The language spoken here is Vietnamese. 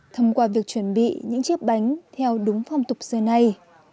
thông qua việc chuẩn bị những chiếc bánh theo đúng phong tục giờ này